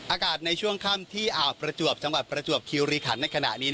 อากาศในช่วงค่ำที่อ่าวประจวบจังหวัดประจวบคิวรีขันในขณะนี้